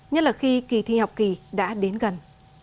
nhất là khi kỳ thi học kỳ đã đến gần